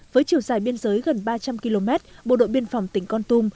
với chiều dài biên giới gần ba trăm linh km bộ đội biên phòng tỉnh con tum